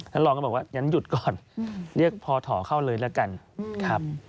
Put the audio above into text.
ฉันลองก็บอกว่าอย่างนั้นหยุดก่อนเรียกพอถ่อเข้าเลยแล้วกันครับ